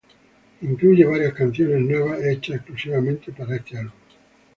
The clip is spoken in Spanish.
Incluye varias canciones nuevas hechas exclusivamente para este álbum.